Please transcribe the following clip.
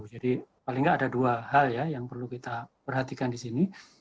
jadi paling nggak ada dua hal yang perlu kita perhatikan di sini